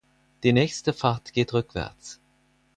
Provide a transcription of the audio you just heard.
Die nächste Fahrt geht rückwärts.